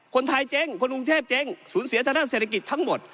คนไทยเจ๊งคนกรุงเทพเจ๊งศูนย์เสียธนาคารเศรษฐกิจทั้งหมด